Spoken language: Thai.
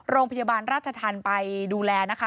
โรงพยาบาลราชธรรมไปดูแลนะคะ